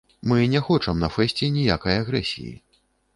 Мы не хочам на фэсце ніякай агрэсіі.